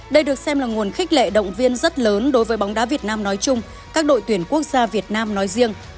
đây được xem là nguồn khích lệ động viên rất lớn đối với bóng đá việt nam nói chung các đội tuyển quốc gia việt nam nói riêng